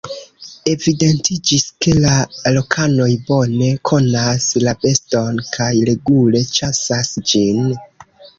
Evidentiĝis, ke la lokanoj bone konas la beston kaj regule ĉasas ĝin.